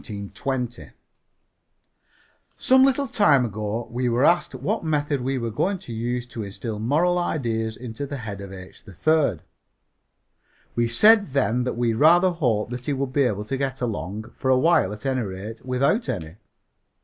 Some little time ago we were asked what method we were going to use to instil moral ideas into the head of H. 3rd. We said then that we rather hoped that he would be able to get along, for a while at any rate, without any.